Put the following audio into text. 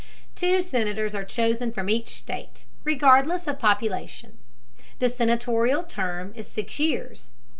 Two Senators are chosen from each state, regardless of population. The senatorial term is six years.